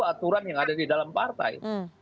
aturan yang ada di dalam partai